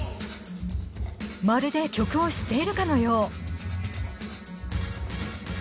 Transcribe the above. まるで曲を知っているかのよう。